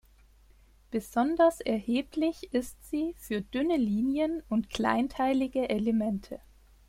Besonders erheblich ist sie für dünne Linien und kleinteilige Elemente.